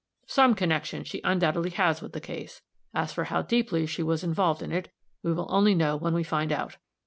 Some connection she undoubtedly has with the case; as for how deeply she was involved in it, we will only know when we find out.